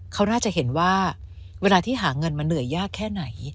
เขาน่าจะเห็นว่าเวลาที่หาเงินมาเหนื่อยยากแค่ไหน